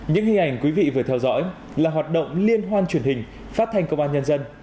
những hình ảnh quý vị vừa theo dõi là hoạt động liên hoan truyền hình phát thanh công an nhân dân